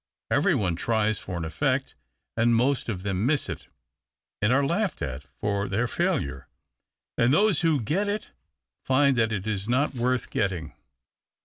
Every one tries for an efiect, and most of them miss it, and are laughed at for their failure, and those who get it find that it is not worth getting.